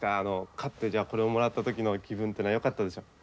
勝ってこれをもらった時の気分ってのはよかったでしょ？